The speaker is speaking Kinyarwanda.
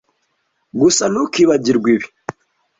Gusa ntukibagirwe ibi.